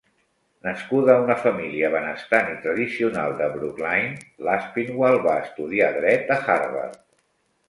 Nascuda a una família benestant i tradicional de Brookline, l'Aspinwall va estudiar dret a Harvard.